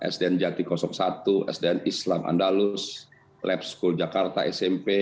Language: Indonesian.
sdn jati satu sdn islam andalus lab school jakarta smp